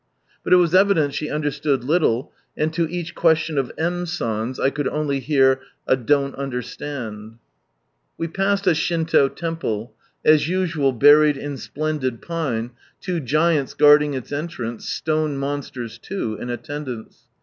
But it was evident she understood little, and to each question of M. Sail's, I could only hear a " Don't understand." Sunrise Land Wc passed a Shinto temple, as usual buried in splendid pine, two giants guard ing its entrance, stone monsters too, in attendance.